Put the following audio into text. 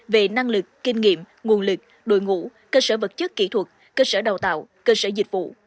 về năng lực kinh nghiệm nguồn lực đội ngũ cơ sở vật chất kỹ thuật cơ sở đào tạo cơ sở dịch vụ